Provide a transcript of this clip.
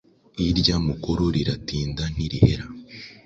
irya mukuru riratinda ntirihera”